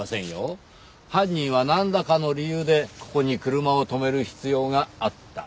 犯人はなんらかの理由でここに車を止める必要があった。